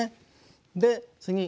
で次。